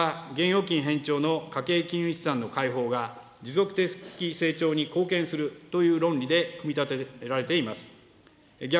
骨太の方針は現預金偏重の家計金融資産の解放が持続的成長に貢献するという論理で組み立てられています。